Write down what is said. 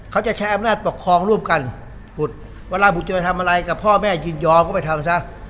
เขาจะใช้อำนาจปกครองร่วมกันบุตรเวลาบุตรจะไปทำอะไรกับพ่อแม่ยินยอมก็ไปทำซะ